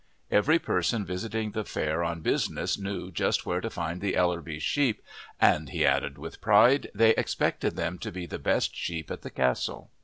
Every person visiting the fair on business knew just where to find the Ellerbys' sheep, and, he added with pride, they expected them to be the best sheep at the Castle.